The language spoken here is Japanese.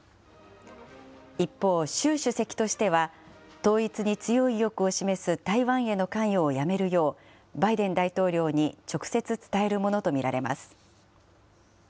一方、習主席としては、統一に強い意欲を示す台湾への関与をやめるよう、バイデン大統領に直接伝えるものと見られます。